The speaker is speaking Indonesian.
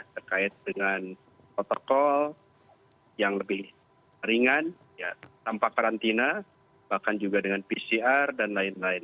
terkait dengan protokol yang lebih ringan tanpa karantina bahkan juga dengan pcr dan lain lain